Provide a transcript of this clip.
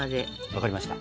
分かりました。